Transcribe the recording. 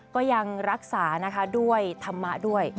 ก็ยังรักษานะคะด้วยธรรมะด้วย